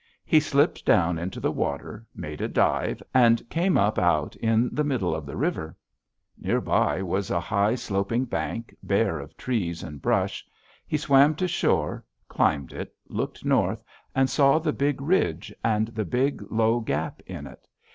He slipped down into the water, made a dive, and came up out in the middle of the river. Near by was a high, sloping bank bare of trees and brush; he swam to shore, climbed it, looked north, and saw the big ridge and the big, low gap in it.